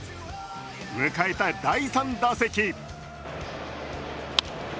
迎えた第３打席。